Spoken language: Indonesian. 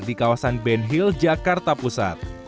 di kawasan ben hill jakarta pusat